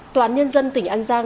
tòa án nhân dân tỉnh an giang